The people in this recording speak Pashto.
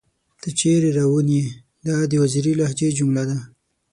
تۀ چېرې راوون ئې ؟ دا د وزيري لهجې جمله ده